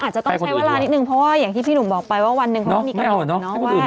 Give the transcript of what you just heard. อาจจะต้องใช้เวลานิดนึงเพราะว่าอย่างที่พี่หนุ่มบอกไปว่าวันหนึ่งเขาต้องมีกำหนดเนาะว่า